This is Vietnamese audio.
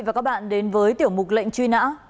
và các bạn đến với tiểu mục lệnh truy nã